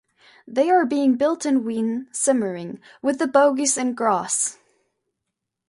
They are being built in Wien Simmering, with the bogies in Graz.